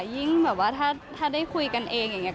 ยิ่งแบบว่าถ้าได้คุยกันเองอย่างนี้